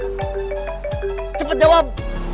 kang mus cepet jawab